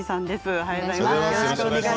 おはようございます。